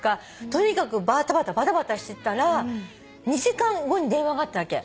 とにかくバタバタしてたら２時間後に電話があったわけ。